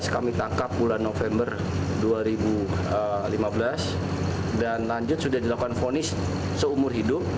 kami tangkap bulan november dua ribu lima belas dan lanjut sudah dilakukan fonis seumur hidup